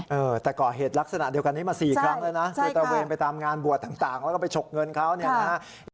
เออแต่ก่อเหตุลักษณะเดียวกันนี้มา๔ครั้งแล้วนะคือตระเวนไปตามงานบวชต่างแล้วก็ไปฉกเงินเขาเนี่ยนะฮะ